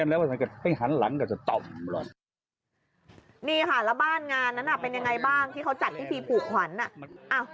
เนี่ยค่ะแล้วบ้านงานนั้นน่ะเป็นยังไงบ้างที่เค้าจัดที่ปีปุกขวัญอ่ะ